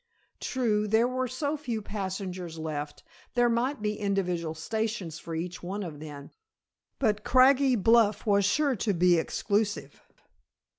True, there were so few passengers left, there might be individual stations for each one of them; but Craggy Bluff was sure to be exclusive.